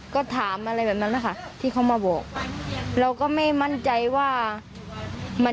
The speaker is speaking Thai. ก็ถามอะไรแบบนั้นนะคะที่เขามาบอกเราก็ไม่มั่นใจว่ามัน